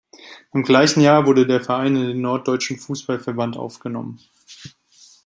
Im gleichen Jahr wurde der Verein in den Norddeutschen Fußball-Verband aufgenommen.